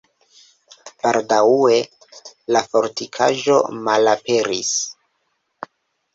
Baldaŭe la fortikaĵo malaperis.